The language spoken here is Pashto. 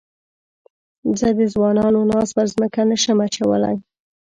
زه د ځوانانو ناز پر مځکه نه شم اچولای.